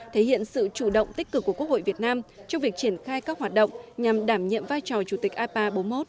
thể hiện sự chủ động tích cực của quốc hội việt nam trong việc triển khai các hoạt động nhằm đảm nhiệm vai trò chủ tịch ipa bốn mươi một